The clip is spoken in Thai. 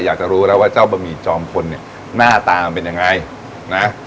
อยากจะรู้แล้วว่าเจ้าบะหมี่จอมพลเนี่ยหน้าตามันเป็นยังไงนะ